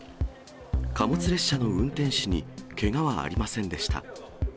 貨物列車の運転士にけがはありませんでした。